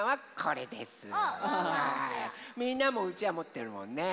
みんなもうちわもってるもんね。